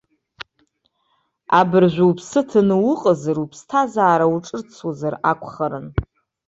Абыржәы уԥсы ҭаны уҟазар, уԥсҭазаара урҿыцуазар акәхарын!